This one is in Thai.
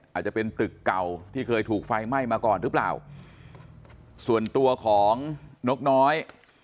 อาจจะเป็นตึกเก่าที่เคยถูกไฟไหม้มาก่อนหรือเปล่าส่วนตัวของนกน้อย